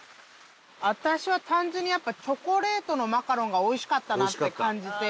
私は単純にやっぱチョコレートのマカロンがおいしかったなって感じて。